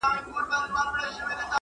o اول کوه احتياط، اوستری مه کوه پسات٫